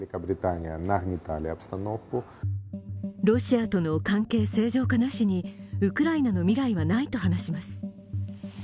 ロシアとの関係正常化なしに、ウクライナの未来はないと話します。